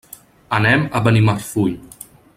Anem a Benimarfull.